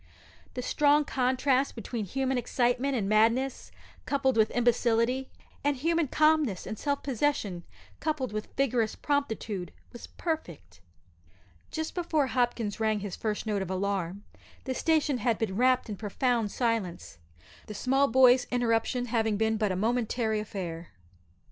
The strong contrast between human excitement and madness coupled with imbecility, and human calmness and self possession coupled with vigorous promptitude, was perfect. Just before poor Hopkins rang his first note of alarm the station had been wrapt in profound silence the small boy's interruption having been but a momentary affair.